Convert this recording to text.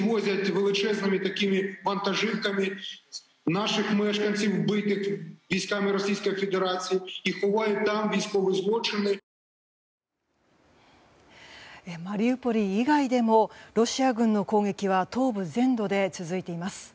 マリウポリ以外でもロシア軍の攻撃は東部全土で続いています。